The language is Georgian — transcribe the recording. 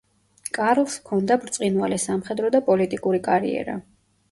კარლს ჰქონდა ბრწყინვალე სამხედრო და პოლიტიკური კარიერა.